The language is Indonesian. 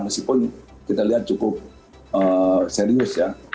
meskipun kita lihat cukup serius ya